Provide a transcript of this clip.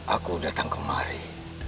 aku datang kemari